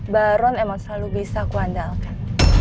baron emang selalu bisa kuandalkan